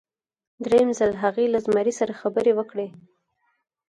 دریم ځل هغې له زمري سره خبرې وکړې.